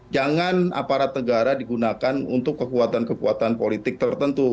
jangan aparat negara digunakan untuk kekuatan kekuatan politik tertentu